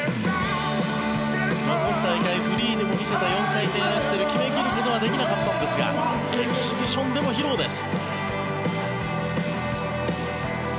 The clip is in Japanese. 今大会、フリーでも見せた４回転アクセル決め切ることはできなかったんですがエキシビションでも披露です。